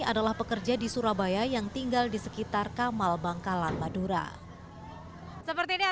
adalah pekerja di surabaya yang tinggal di sekitar kamal bangkalan madura seperti ini